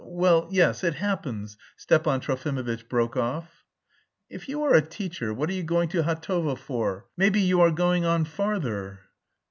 Well, yes, it happens," Stepan Trofimovitch broke off. "If you are a teacher, what are you going to Hatovo for? Maybe you are going on farther."